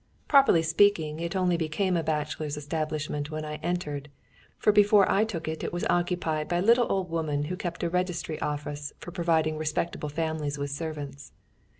Properly speaking, it only became a bachelor's establishment when I entered, for before I took it it was occupied by a little old woman who kept a registry office for providing respectable families with servants.